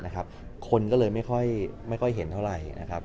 คนก็เลยไม่ค่อยเห็นเท่าไหร่